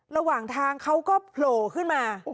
ระหว่างทางเขาก็โผล่ขึ้นมา